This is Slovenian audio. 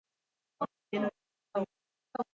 Mislim, da je njeno ime Oliva.